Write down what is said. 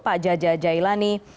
pak jaja jailani